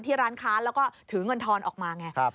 ร้านค้าแล้วก็ถือเงินทอนออกมาไง